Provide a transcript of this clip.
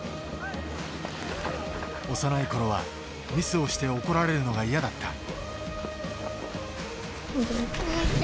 幼いころは、ミスをして怒られるのが嫌だった。